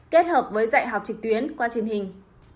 kết hợp với dạy học trực tuyến qua truyền hình